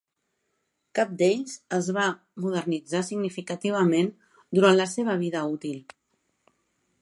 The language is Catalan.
Cap d'ells es va modernitzar significativament durant la seva vida útil.